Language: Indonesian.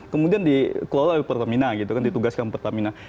kemudian dikelola oleh pertamina gitu kan ditugaskan pertamina